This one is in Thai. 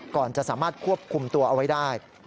ก่อนจะสามารถควบคุมตัวเอาไว้ได้